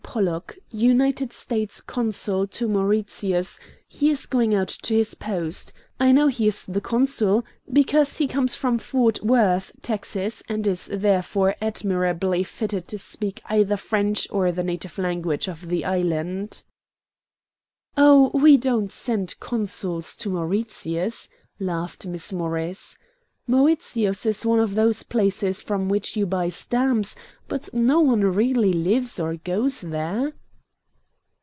Pollock, United States Consul to Mauritius; he is going out to his post. I know he is the consul, because he comes from Fort Worth, Texas, and is therefore admirably fitted to speak either French or the native language of the island." "Oh, we don't send consuls to Mauritius," laughed Miss Morris. "Mauritius is one of those places from which you buy stamps, but no one really lives or goes there."